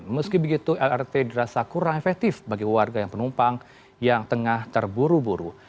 meski begitu lrt dirasa kurang efektif bagi warga yang penumpang yang tengah terburu buru